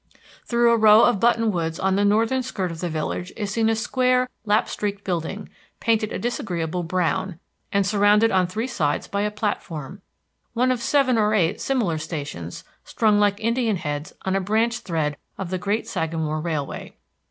Through a row of button woods on the northern skirt of the village is seen a square, lap streaked building, painted a disagreeable brown, and surrounded on three sides by a platform, one of seven or eight similar stations strung like Indian heads on a branch thread of the Great Sagamore Railway.